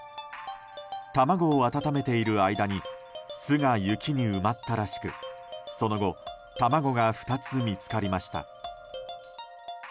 卵を温めている間に巣が雪に埋まったらしくその後卵が２つ見つかりました。